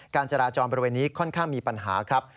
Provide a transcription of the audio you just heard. การจราจรบริเวณนี้ค่อนข้างมีปัญหาครับ